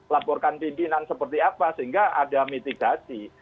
laporkan pimpinan seperti apa sehingga ada mitigasi